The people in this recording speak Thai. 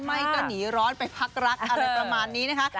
ไม่ก็หนีร้อนไปพักรักอะไรประมาณนี้นะคะ